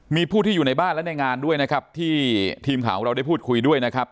มีผู้ที่อยู่ในบ้านและในงานด้วยนะครับที่ทีมข่าวของเราได้พูดคุยด้วยนะครับ